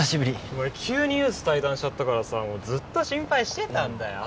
お前急にユース退団しちゃったからさずっと心配してたんだよ